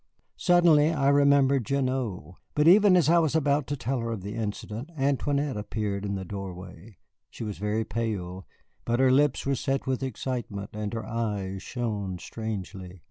Suddenly I remembered Gignoux, but even as I was about to tell her of the incident Antoinette appeared in the doorway. She was very pale, but her lips were set with excitement and her eyes shone strangely.